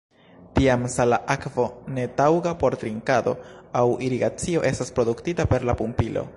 Tiam sala akvo, netaŭga por trinkado aŭ irigacio, estas produktita per la pumpilo.